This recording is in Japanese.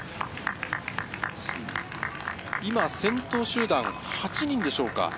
今、先頭集団８人でしょうか。